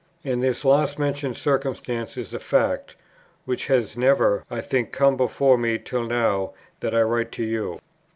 And this last mentioned circumstance is a fact, which has never, I think, come before me till now that I write to you.